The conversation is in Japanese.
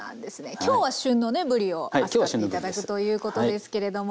今日は旬のねぶりを扱って頂くということですけれども。